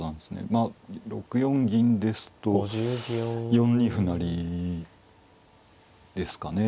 まあ６四銀ですと４二歩成ですかね。